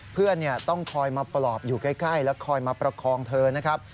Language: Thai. เพื่อนต้องคอยมาปลอบอยู่ใกล้และคอยมาประคองเธอนะครับ